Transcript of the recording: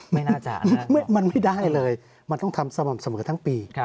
ไม่น่าจะมันไม่ได้เลยมันต้องทำสม่ำเสมอทั้งปี